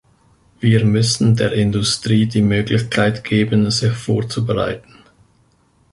Wir müssen der Industrie die Möglichkeit geben, sich vorzubereiten.